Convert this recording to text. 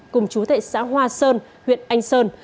cùng chú tệ xã hoa sơn huyện anh sơn